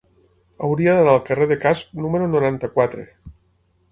Hauria d'anar al carrer de Casp número noranta-quatre.